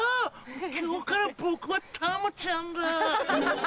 今日から僕はたまちゃんだ！